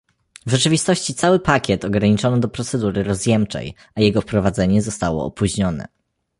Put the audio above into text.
W rzeczywistości cały pakiet ograniczono do procedury rozjemczej, a jego wprowadzenie zostało opóźnione